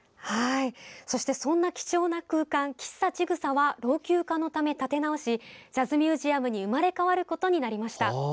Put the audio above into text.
そしてそんな貴重な空間喫茶「ちぐさ」は老朽化のため建て直しジャズミュージアムに生まれ変わることになりました。